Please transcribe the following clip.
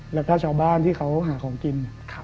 แล้วก็ชาวบ้านที่เขาหาของกิน